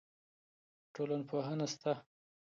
ټولنپوهنه سته.